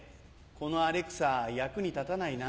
このアレクサ役に立たないな。